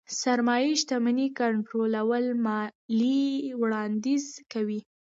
سرمايې شتمنۍ کنټرول ماليې وړانديز کوي.